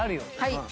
はい。